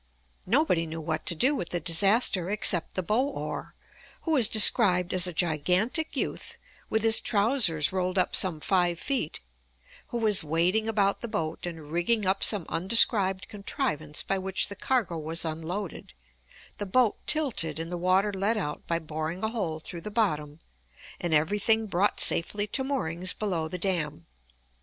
Nobody knew what to do with the disaster except "the bow oar," who is described as a gigantic youth "with his trousers rolled up some five feet," who was wading about the boat and rigging up some undescribed contrivance by which the cargo was unloaded, the boat tilted and the water let out by boring a hole through the bottom, and everything brought safely to moorings below the dam.